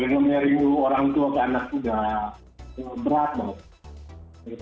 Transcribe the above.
sudah karena saya rindu orang tua ke anak sudah berat banget